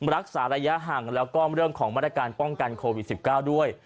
รักษาระยะห่างแล้วก็เรื่องของมาตรการป้องกันโควิด๑๙ด้วย